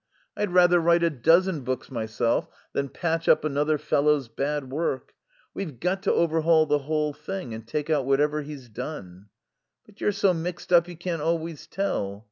I'd rather write a dozen books myself than patch up another fellow's bad work.... We've got to overhaul the whole thing and take out whatever he's done." "But you're so mixed up you can't always tell."